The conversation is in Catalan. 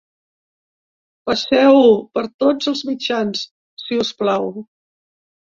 Passeu-ho per tots els mitjans, si us plau.